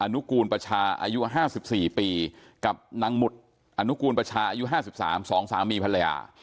นุกูลประชาอายุ๕๔ปีกับนางหมุดอนุกูลประชาอายุ๕๓๒สามีภรรยา